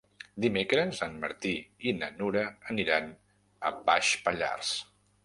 Dimecres en Martí i na Nura aniran a Baix Pallars.